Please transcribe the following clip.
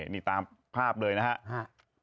นี่ตามภาพเลยนะฮะ